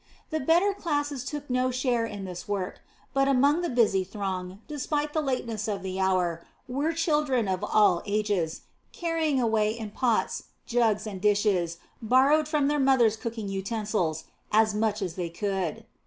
The better classes took no share in this work, but among the busy throng, spite of the lateness of the hour, were children of all ages, carrying away in pots, jugs, and dishes borrowed from their mothers' cooking utensils as much as they could.